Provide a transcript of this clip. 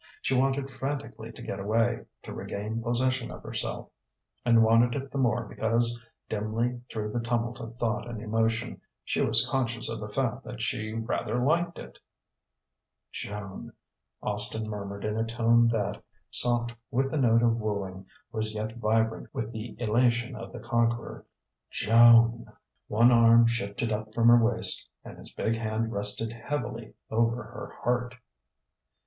She wanted frantically to get away, to regain possession of herself; and wanted it the more because, dimly through the tumult of thought and emotion, she was conscious of the fact that she rather liked it. "Joan...." Austin murmured in a tone that, soft with the note of wooing, was yet vibrant with the elation of the conqueror, "Joan...." One arm shifted up from her waist and his big hand rested heavily over her heart.